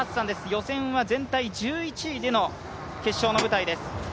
予選は全体１１位での決勝の舞台です。